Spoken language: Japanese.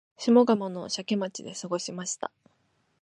下鴨の社家町で過ごしました